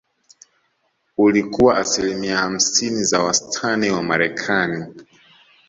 Ulikuwa asilimia hamsini za wastani wa Wamarekani